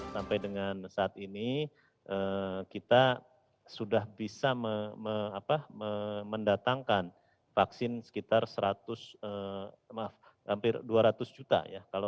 sampai dengan saat ini kita sudah bisa mendatangkan vaksin sekitar seratus maaf hampir dua ratus juta ya